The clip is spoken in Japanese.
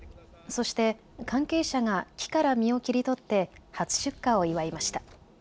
そして関係者が木から実を切り取って初出荷を祝いました。